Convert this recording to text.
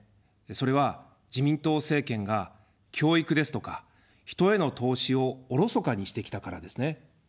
それは自民党政権が教育ですとか、人への投資をおろそかにしてきたからですね。